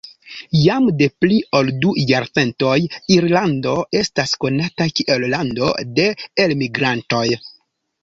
Jam de pli ol du jarcentoj Irlando estas konata kiel lando de elmigrantoj.